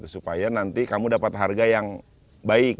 supaya nanti kamu dapat harga yang baik